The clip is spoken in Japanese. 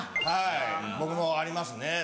はい僕もありますね。